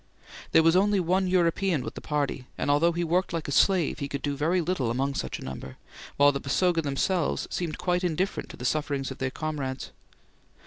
There was only one European with the party, and although he worked like a slave he could do very little among such a number, while the Basoga themselves seemed quite indifferent to the sufferings of their comrades.